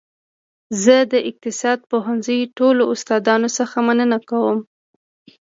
زه د اقتصاد پوهنځي ټولو استادانو څخه مننه کوم